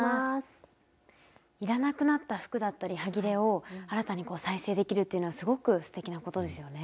いらなくなった服だったりはぎれを新たに再生できるっていうのはすごくすてきなことですよね。